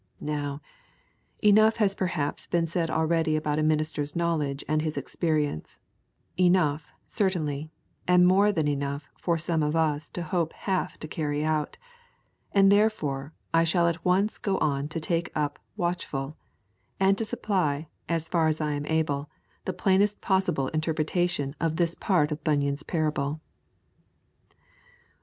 Now, enough has perhaps been said already about a minister's knowledge and his experience; enough, certainly, and more than enough for some of us to hope half to carry out; and, therefore, I shall at once go on to take up Watchful, and to supply, so far as I am able, the plainest possible interpretation of this part of Bunyan's parable.